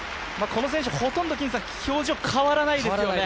この選手、ほとんど表情変わらないんですよね。